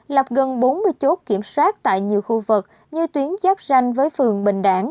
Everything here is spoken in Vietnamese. lập gần bốn mươi chốt kiểm soát tại nhiều khu vực như tuyến giáp ranh với phường bình đẳng